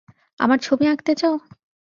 আমার ছবি আঁকতে চাও?